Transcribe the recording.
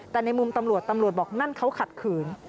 แต่ในมุมตำรวจตำรวจบอกนั่นเขาขัดขืน